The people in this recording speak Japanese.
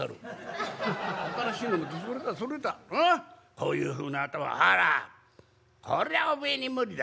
こういうふうな頭はこりゃおめえに無理だ。